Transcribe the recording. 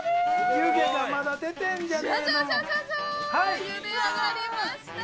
湯気がまだ出てるじゃない。